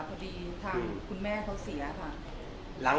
พอดีทางคุณแม่เขาเสียค่ะ